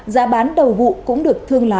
giá bán đầu vụ cũng được thương lạc